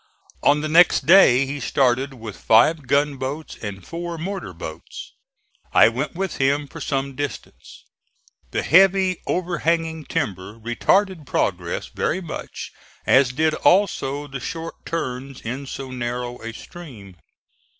On the next day he started with five gunboats and four mortar boats. I went with him for some distance. The heavy overhanging timber retarded progress very much, as did also the short turns in so narrow a stream.